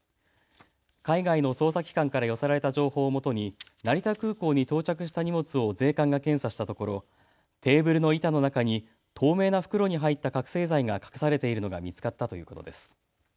海外の捜査機関から寄せられた情報をもとに成田空港に到着した荷物を税関が検査したところテーブルの板の中に透明な袋に入った覚醒剤が隠されているのが見つかったということです。